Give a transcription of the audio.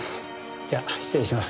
じゃあ失礼します。